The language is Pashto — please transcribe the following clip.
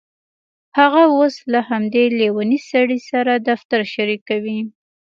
هغه اوس له همدې لیونۍ سړي سره دفتر شریکوي